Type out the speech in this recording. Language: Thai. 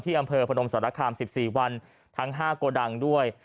ที่อำเภอพนมสรรคามสิบสี่วันทั้งห้าโกดังด้วย